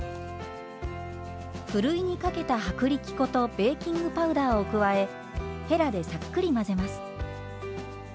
ふるいにかけた薄力粉とベーキングパウダーを加えへらでさっくり混ぜます。